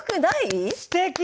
すてき！